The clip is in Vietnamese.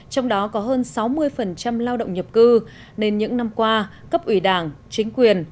trong đó có hơn sáu mươi lao động nhập cư nên những năm qua cấp ủy đảng chính quyền